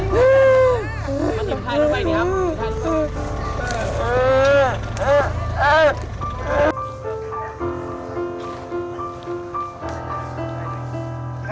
ฮือ